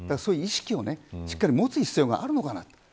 そういう意識をしっかり持つ必要があるのかな。